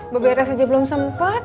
berberes aja belum sempet